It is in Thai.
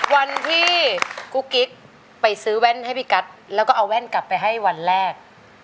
วันที่กุ๊กกิ๊กไปซื้อแว่นให้พี่กัสแล้วก็เอาแว่นกลับไปให้วันแรก